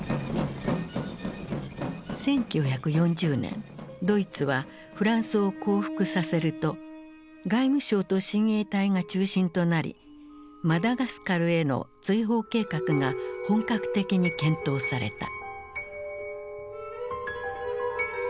１９４０年ドイツはフランスを降伏させると外務省と親衛隊が中心となりマダガスカルへの追放計画が本格的に検討された。